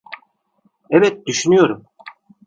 Evet, düşünüyorum.